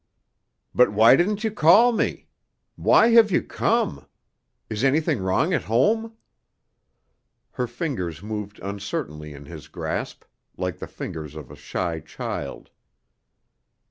"But why didn't you call to me? Why have you come? Is anything wrong at home?" Her fingers moved uncertainly in his grasp, like the fingers of a shy child.